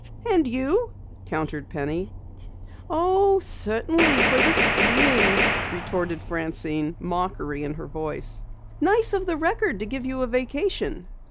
"And you?" countered Penny. "Oh, certainly for the skiing," retorted Francine, mockery in her voice. "Nice of the Record to give you a vacation."